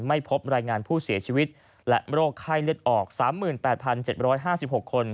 ไม่พบรายงานผู้เสียชีวิตและโรคไข้เลือดออก๓๘๗๕๖คน